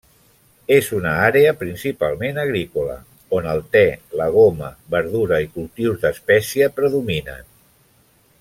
És una àrea principalment agrícola, on el te, la goma, verdura i cultius d'espècia predominen.